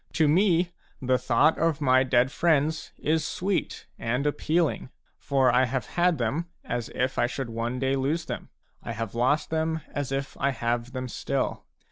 To me, the thought of my dead friends is sweet and appealing. For I have had them as if I should one day lose them ; I have lost them as if I have them still.